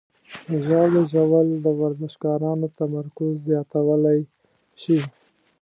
د ژاولې ژوول د ورزشکارانو تمرکز زیاتولی شي.